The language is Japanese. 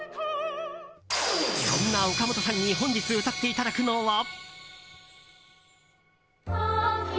そんな岡本さんに本日歌っていただくのは。